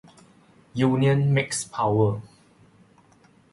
Union makes power.